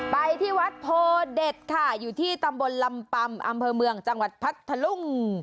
ไปที่วัดโพเด็ดค่ะอยู่ที่ตำบลลำปำอำเภอเมืองจังหวัดพัทธลุง